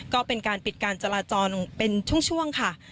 ก็เป็นการปิดการจราจรเป็นช่วงค่ะ